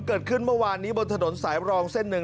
เกิดขึ้นเมื่อวานนี้บนถนนสายรองเส้นหนึ่ง